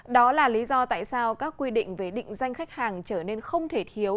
đó là lý do tại sao các quy định về định danh khách hàng trở nên không thể thiếu